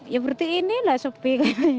ya berarti inilah sepi